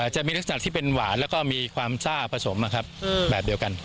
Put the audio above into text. จะมีลักษณะที่เป็นหวานแล้วก็มีความซ่าผสมแบบเดียวกัน